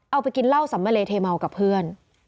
เอาไปกินเหล้าสำมะเลเทเมากับเพื่อน